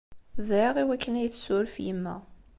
Dɛiɣ i wakken ad iyi-tessuref yemma.